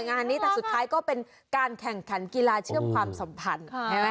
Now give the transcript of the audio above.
งานนี้แต่สุดท้ายก็เป็นการแข่งขันกีฬาเชื่อมความสัมพันธ์ใช่ไหม